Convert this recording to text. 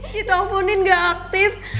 di telfonin gak aktif